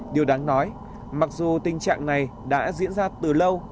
điều đáng nói mặc dù tình trạng này đã diễn ra từ lâu